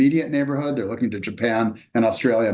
mereka sedang mencari ke jepang dan australia